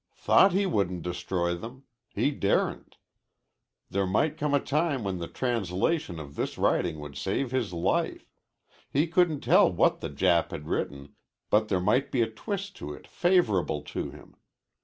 "Thought he wouldn't destroy them. He daren't. There might come a time when the translation of this writing would save his life. He couldn't tell what the Jap had written, but there might be a twist to it favorable to him.